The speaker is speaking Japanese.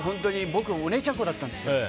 僕、お姉ちゃんっ子だったんです。